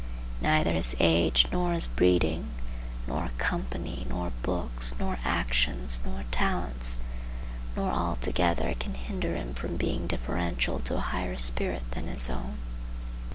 Neither his age, nor his breeding, nor company, nor books, nor actions, nor talents, nor all together can hinder him from being deferential to a higher spirit than his own.